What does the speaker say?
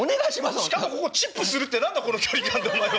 しかもここチップするって何だこの距離感でお前は。